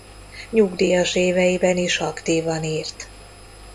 Nyugdíjas éveiben is aktívan írt.